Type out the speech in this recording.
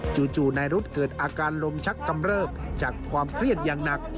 จู่นายรุธเกิดอาการลมชักกำเริบจากความเครียดอย่างหนัก